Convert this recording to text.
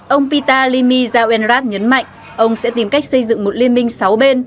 ông pita limizao enrat nhấn mạnh ông sẽ tìm cách xây dựng một liên minh sáu bên